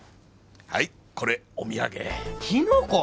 はいこれお土産キノコ！？